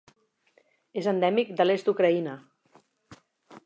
És endèmic de l'est d'Ucraïna.